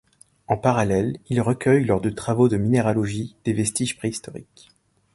En parallèle, il recueille lors de travaux de minéralogie, des vestiges préhistoriques.